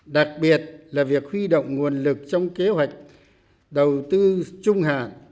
đặc biệt là việc huy động nguồn lực trong kế hoạch đầu tư trung hạn